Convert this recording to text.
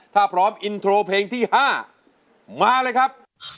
ถ้าพร้อมอินโทรเพลงที่๕มาเลยครับ